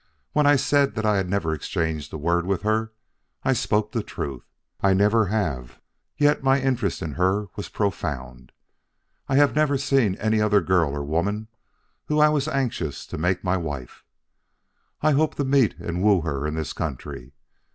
When I said that I had never exchanged a word with her, I spoke the truth. I never have; yet my interest in her was profound. I have never seen any other girl or woman whom I was anxious to make my wife. I hoped to meet and woo her in this country.